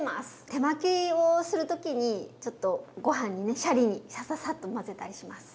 手巻きをする時にちょっとご飯にねシャリにサササッと混ぜたりします。